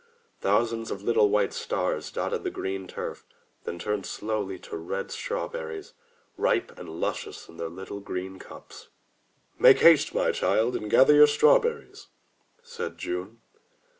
Thousands of little white stars dotted the green turf, then turned slowly to red straw berries, ripe and luscious in their little green cups. "Make haste, my child, and gather your strawberries," said June.